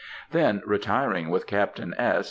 Then retiring with Captain S.